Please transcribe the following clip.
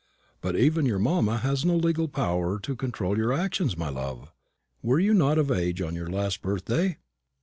"But even your mamma has no legal power to control your actions, my love. Were you not of age on your last birthday?"